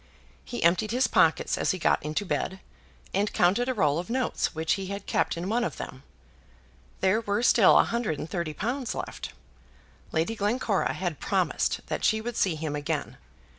He emptied his pockets as he got into bed, and counted a roll of notes which he had kept in one of them. There were still a hundred and thirty pounds left. Lady Glencora had promised that she would see him again.